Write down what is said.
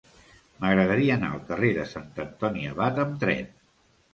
M'agradaria anar al carrer de Sant Antoni Abat amb tren.